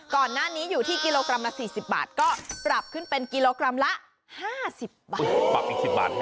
ก่อนหน้านี้อยู่ที่กิโลกรัมละ๔๐บาทก็ปรับขึ้นเป็นกิโลกรัมละ๕๐บาทปรับอีก๑๐บาท